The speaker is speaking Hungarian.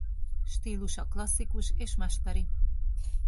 Stílusa klasszikus és mesteri.